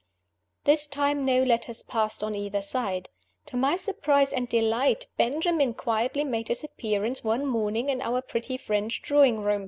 This time no letters passed on either side. To my surprise and delight, Benjamin quietly made his appearance one morning in our pretty French drawing room.